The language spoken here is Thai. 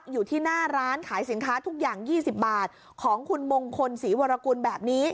อยู่ที่หน้าร้านขายสินค้าทุกอย่าง๒๐บาทของคุณมงคลศรีวรกุลแบบนี้